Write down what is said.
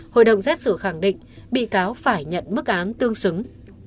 hội đồng xét xử khẳng định vị cáo phải nhận bức án tương xứng